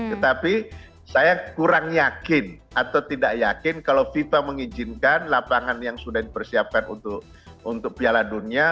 tetapi saya kurang yakin atau tidak yakin kalau fifa mengizinkan lapangan yang sudah dipersiapkan untuk piala dunia